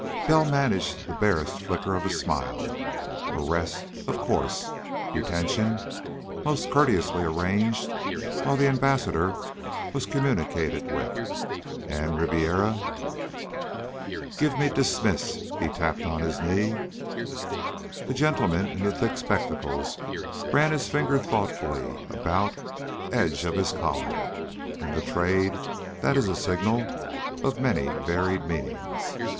Bell managed the barest flicker of a smile. Arrest, of course. Detention, most courteously arranged, while the Ambassador was communicated with. And Ribiera. "Give me dismiss," he tapped on his knee. The gentleman in the thick spectacles ran his finger thoughtfully about the edge of his collar. In the Trade that is a signal of many varied meanings.